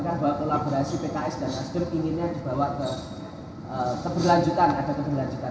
ke berlanjutan ada ke berlanjutan disana